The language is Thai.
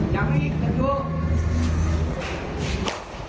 ยังมีอีกกันดู